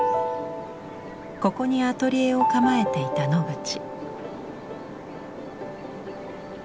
ここにアトリエを構えていたノグチ。